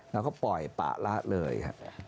เราก็ปล่อยปะละเลยค่ะ